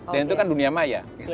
dan itu kan dunia maya